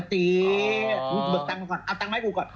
อาจเกียร์เบอกตังเค้าอันดังไหมกูก่อน